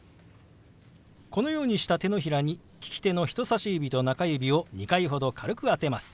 このようにした手のひらに利き手の人さし指と中指を２回ほど軽く当てます。